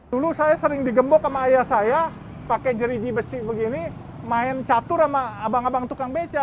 dulu saya sering digembok sama ayah saya pakai jerihi besi begini main catur sama abang abang tukang beca